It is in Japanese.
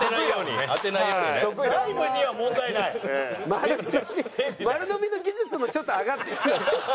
丸のみ丸のみの技術もちょっと上がってるよね。